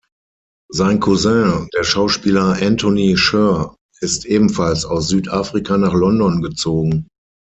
Sein Cousin, der Schauspieler Antony Sher, ist ebenfalls aus Südafrika nach London gezogen.